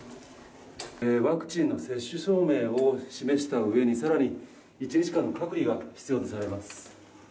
ワクチンの接種証明を示したうえに、さらに１日間の隔離が必要とされます。